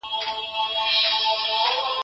پرون تېر سو هغه پرېږده لکه مړی داسي تللی